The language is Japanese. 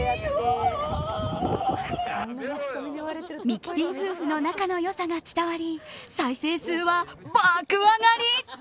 ミキティ夫妻の仲の良さが伝わり、再生数は爆上がり。